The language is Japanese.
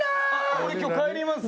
俺今日帰りますよ。